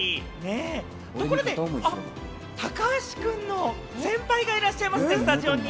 ところで高橋くんの先輩がいらっしゃいますね、スタジオに。